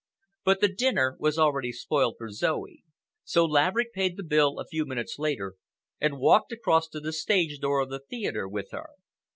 But the dinner was already spoiled for Zoe, so Laverick paid the bill a few minutes later, and walked across to the stage door of the theatre with her.